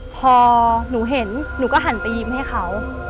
พอหนูเห็นหนูก็หันไปยิ้มให้เขา